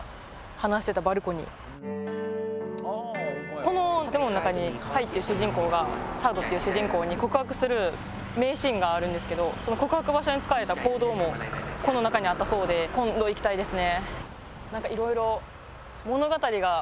この中に入っている主人公がサードっていう主人公に告白する名シーンがあるんですけどその告白場所に使われた講堂も中にあったそうで今度、行きたいですね。